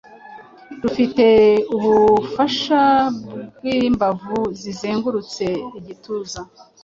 rufite ubufasha bw’imbavu zizengurutse igituza.